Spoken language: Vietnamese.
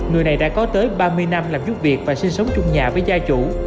người này đã có tới ba mươi năm làm giúp việc và sinh sống trong nhà với gia chủ